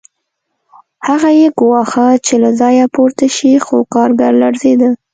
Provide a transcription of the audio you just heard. هغه یې ګواښه چې له ځایه پورته شي خو کارګر لړزېده